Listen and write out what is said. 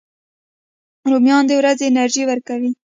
رومیان د ورځې انرژي ورکوي